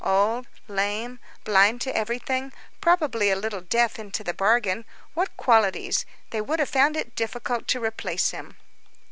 Old, lame, blind to everything, probably a little deaf into the bargain,—what qualities! They would have found it difficult to replace him.